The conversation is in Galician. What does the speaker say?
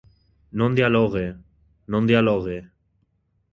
Non dialogue, non dialogue.